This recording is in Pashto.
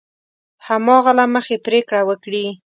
هماغه له مخې پرېکړه وکړي.